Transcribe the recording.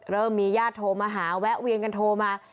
เริ่มมีญาติโทรมาหาแวะเวียนกันโทรมา